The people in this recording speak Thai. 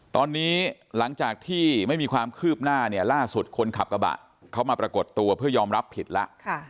ตอนนี้หลังจากที่ไม่มีความคืบหน้าเนี่ยล่าสุดคนขับกระบะเขามาปรากฏตัวเพื่อยอมรับผิดแล้ว